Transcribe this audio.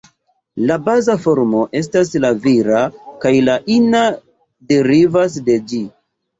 La baza formo estas la vira, kaj la ina derivas de ĝi.